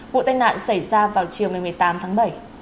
vụ tai nạn xảy ra vào chiều ngày một mươi tám tháng bảy